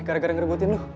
gara gara ngerebutin lo